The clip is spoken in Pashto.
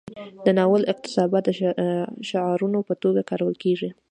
د ناول اقتباسات د شعارونو په توګه کارول کیږي.